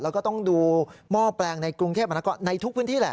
แล้วก็ต้องดูหม้อแปลงในกรุงเทพมนากรในทุกพื้นที่แหละ